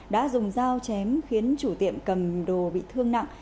đã dùng dao chém khiến chủ tiệm cầm đồ bị thương nặng